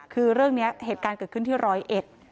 คือเรื่องเนี้ยเหตุการณ์เกิดขึ้นที่ร้อยเอ็ด